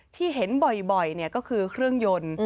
ที่เห็นบ่อยก็คือเครื่องยนต์